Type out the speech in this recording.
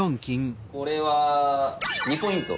これは２ポイント。